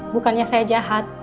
bukannya saya jahat